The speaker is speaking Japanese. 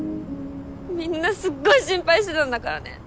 みんなすっごい心配してたんだからね！